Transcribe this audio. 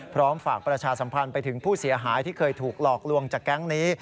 พร้อมฝากประชาสัมพันธ์ไปถึงผู้เสียหายที่เคยถูกหลอกลวงจากแก๊งนี้